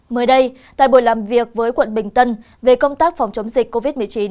mới đây tại buổi làm việc với quận bình tân về công tác phòng chống dịch covid một mươi chín